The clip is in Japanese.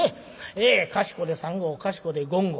ええかしこで３合かしこで５合。